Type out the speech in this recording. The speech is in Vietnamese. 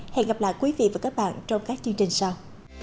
hẹn gặp lại quý vị và các bạn trong các chương trình sau